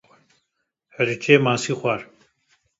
Hirçê masî xwar